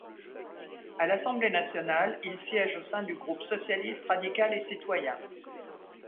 À l'Assemblée nationale, il siège au sein du groupe Socialiste, radical et citoyen.